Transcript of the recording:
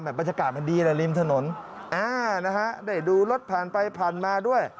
บรรยากาศมันดีนะริมถนนได้ดูรถผ่านไปผ่านมาด้วย